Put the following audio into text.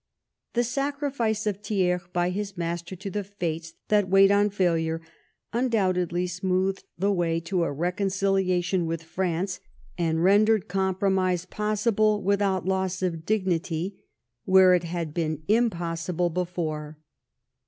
The sacrifice of Thiers by his master to the fates that wait on failure, undoubtedly smoothed the way to a re conciliation with France, and rendered compromise pos sible without loss of dignity, where it had been impossible 78 LIFE OF VISCOUNT PALMEBSTON. before.